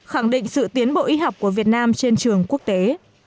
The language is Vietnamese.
khẳng định sự tiến bộ y học của việt nam trên trường quốc tế